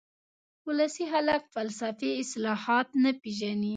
ولسي خلک فلسفي اصطلاحات نه پېژني